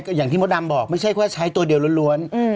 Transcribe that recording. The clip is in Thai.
ก็อย่างที่โมดำบอกไม่ใช่ว่าใช้ตัวเดียวล้วนอืม